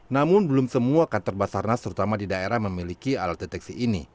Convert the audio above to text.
namun belum semua kantor basarnas terutama di daerah memiliki alat deteksi ini